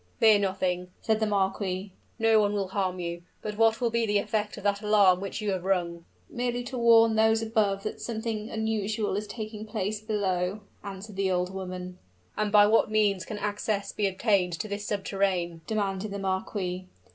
"Fear nothing," said the marquis, "no one will harm you. But what will be the effect of that alarm which you have rung?" "Merely to warn those above that something unusual is taking place below," answered the old woman. "And by what means can access be obtained to this subterrane?" demanded the marquis.